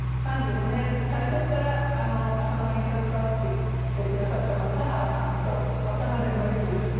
３５年最初から『朝生』に携わってきてくださったのは田原さんと渡辺宜嗣さん